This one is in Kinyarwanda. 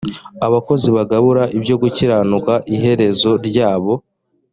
abakozi bagabura ibyo gukiranuka iherezo ryabo